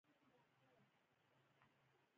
دښمن د ځان د بربادۍ لاره هواروي